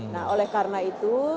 nah oleh karena itu